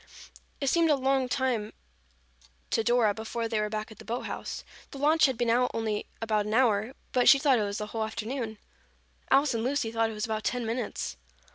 It seemed a long time to Dora before they were back at the boat house. The launch had been out only about an hour, but she thought it was the whole afternoon. Alice and Lucy thought it was about ten minutes.